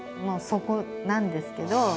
もうそこなんですけど。